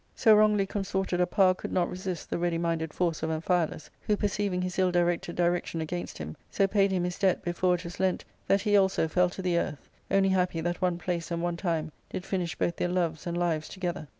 271 consorted a power could not resist the ready minded force / of Amphialus, who, perceiving his ill directed direction against him, so paid him his debt before it was lent that he also fell to the earth, only happy that one place and one time did finish both their loves and lives together.